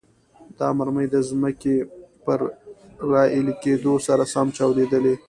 دا مرمۍ د ځمکې پر راایلې کېدو سره سم چاودیدلې.